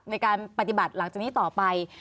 ในการปฏิบัติหลังจากนี้ต่อไป